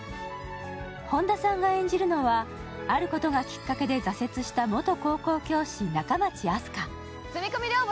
本田さんが演じるのは、あることがきっかけで挫折した元高校教師・仲町あす花。